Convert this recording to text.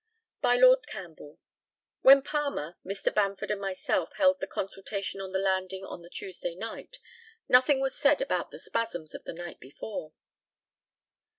By Lord CAMPBELL: When Palmer, Mr. Bamford, and myself, held the consultation on the landing on the Tuesday night, nothing was said about the spasms of the night before.